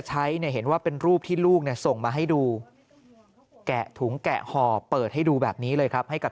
ใช้เนี่ยเห็นว่าเป็นรูปที่ลูกเนี่ยส่งมาให้ดูแกะถุงแกะห่อเปิดให้ดูแบบนี้เลยครับให้กับ